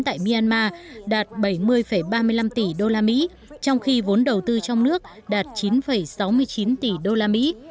tại myanmar đạt bảy mươi ba mươi năm tỷ đô la mỹ trong khi vốn đầu tư trong nước đạt chín sáu mươi chín tỷ đô la mỹ